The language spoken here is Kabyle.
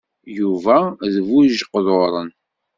Yuba d bu-ijeqduṛen.